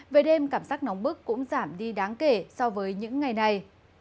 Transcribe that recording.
về đêm cảm giác nóng bức cũng giảm đi đáng kể so với những ngày này